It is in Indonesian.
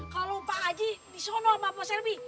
kalau pak haji di sono sama pak selby